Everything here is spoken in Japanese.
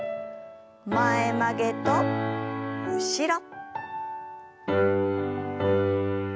前曲げと後ろ。